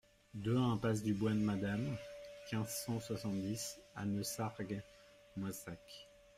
deux impasse du Bois de Madame, quinze, cent soixante-dix à Neussargues-Moissac